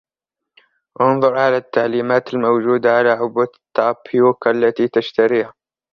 أنظر على التعليمات الموجودة على عبوة التابيوكا التي تشتريها.